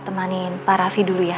temanin pak raffi dulu ya